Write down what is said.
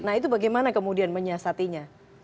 nah itu bagaimana kemudian menyiasatinya